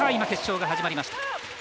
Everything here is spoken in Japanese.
決勝が始まりました。